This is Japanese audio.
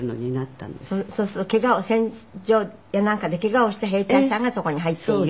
そうするとケガを戦場やなんかでケガをした兵隊さんがそこに入っている。